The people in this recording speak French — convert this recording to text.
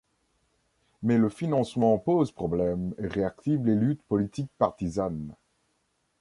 Mais le financement pose problème et réactive les luttes politiques partisanes.